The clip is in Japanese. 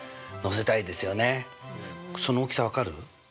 その大きさ分かる？